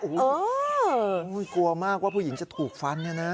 โอ้โหกลัวมากว่าผู้หญิงจะถูกฟันเนี่ยนะ